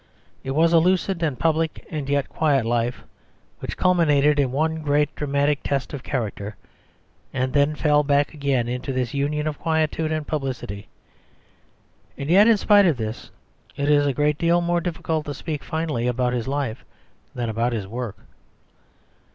It was a lucid and public and yet quiet life, which culminated in one great dramatic test of character, and then fell back again into this union of quietude and publicity. And yet, in spite of this, it is a great deal more difficult to speak finally about his life than about his work.